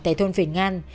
tại thôn phiền ngan